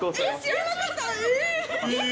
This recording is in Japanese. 知らなかった。